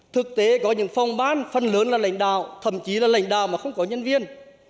thực tế có những phòng ban phần lớn là lãnh đạo thậm chí là lãnh đạo mà không có nhân viên